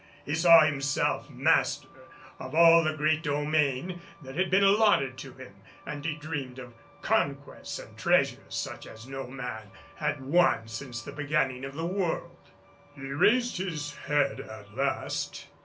He saw himself master of all the great domain that had been allotted to him and he dreamed of conquests and treasures such as no man had won since the beginning of the world. He raised his head at last.